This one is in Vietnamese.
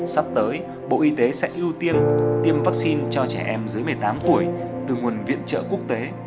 sắp tới bộ y tế sẽ ưu tiên tiêm vaccine cho trẻ em dưới một mươi tám tuổi từ nguồn viện trợ quốc tế